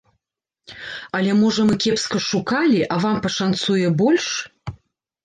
Але, можа, мы кепска шукалі, а вам пашанцуе больш?